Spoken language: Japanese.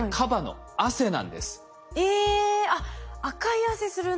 えっ！あっ赤い汗するんだ。